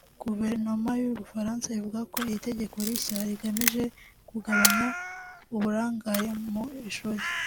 Guverinoma y’u Bufaransa ivuga ko iri tegeko rishya rigamije kugabanya uburangare mu ishuri